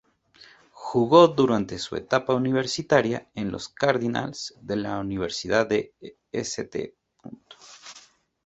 Jugó durante su etapa universitaria en los "Cardinals" de la Universidad de St.